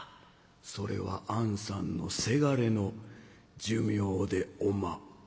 それはあんさんのせがれの寿命でおま」。